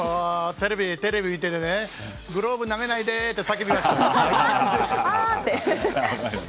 テレビ見ててグローブ投げないで！ってさけびました。